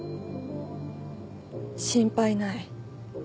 心配ない。